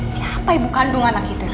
siapa ibu kandung anak itu